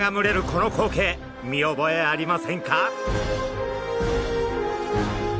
この光景見覚えありませんか？